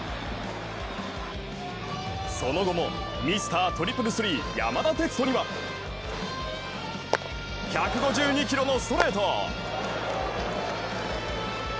その後も、ミスタートリプルスリー山田哲人には１５２キロのストレート。